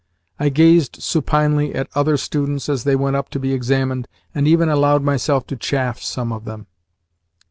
I gazed supinely at other students as they went up to be examined, and even allowed myself to chaff some of them.